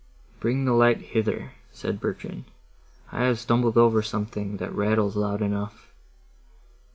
"Bring the light hither," said Bertrand, "I have stumbled over something, that rattles loud enough."